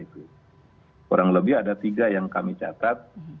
kurang lebih ada tiga yang kami catat